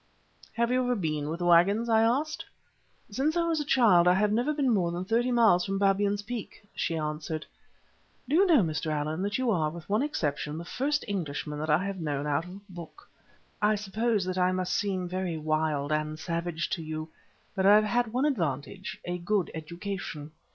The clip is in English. "Have you ever been with the waggons?" I asked. "Since I was a child I have never been more than thirty miles from Babyan's Peak," she answered. "Do you know, Mr. Allan, that you are, with one exception, the first Englishman that I have known out of a book. I suppose that I must seem very wild and savage to you, but I have had one advantage—a good education.